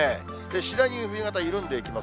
次第に冬型、緩んでいきます。